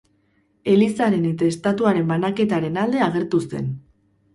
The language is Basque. Elizaren eta Estatuaren banaketaren alde agertu zen.